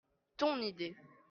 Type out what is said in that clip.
Ton idée.